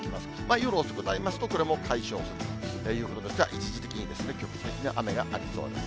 夜遅くなりますと、これも解消するということですが、一時的にですが、局地的に雨がありそうです。